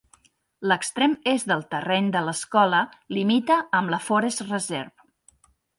L'extrem est del terreny de l'escola limita amb la "Forest Reserve".